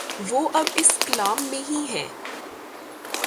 وہ اب اس کلام میں ہی ہے۔